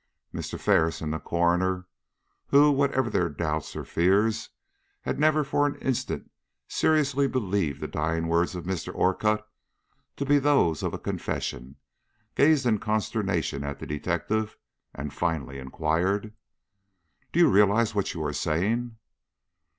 Mr. Ferris and the coroner, who, whatever their doubts or fears, had never for an instant seriously believed the dying words of Mr. Orcutt to be those of confession, gazed in consternation at the detective, and finally inquired: "Do you realize what you are saying?"